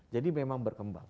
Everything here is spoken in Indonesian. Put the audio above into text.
jadi memang berkembang